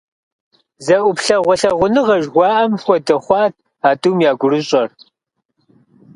Зэ ӏуплъэгъуэ лъагъуныгъэ жыхуаӏэм хуэдэ хъуат а тӏум я гурыщӏэр.